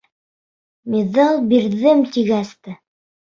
Миҙал бирҙем тигәс тә...